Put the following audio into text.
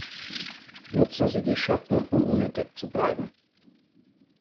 Nutzen Sie die Schatten, um unentdeckt zu bleiben!